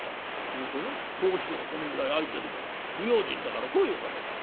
するとね格子戸がこのぐらい開いてるから不用心だから声をかけた。